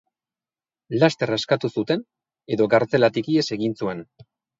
Laster askatu zuten edo kartzelatik ihes egin zuen.